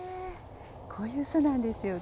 こういう巣なんですよね。